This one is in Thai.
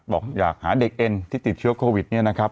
บอกอยากหาเด็กเอ็นที่ติดเชื้อโควิดเนี่ยนะครับ